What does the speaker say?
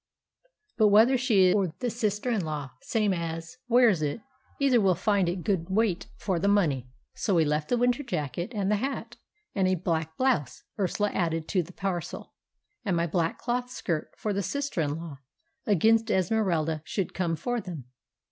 But whether she or the 'sister in law same as' wears it, either will find it good weight for the money." So we left the winter jacket, and the hat, and a black blouse Ursula added to the parcel, and my black cloth skirt for the sister in law, against Esmeralda should come for them.